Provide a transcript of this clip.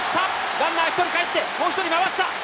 ランナー１人かえって、もう１人まわした。